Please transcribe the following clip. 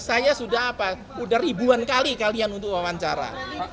saya sudah ribuan kali kalian untuk wawancara